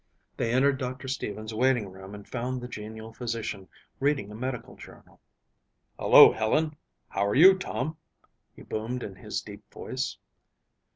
They entered Doctor Stevens' waiting room and found the genial physician reading a medical journal. "Hello, Helen! How are you Tom?" He boomed in his deep voice.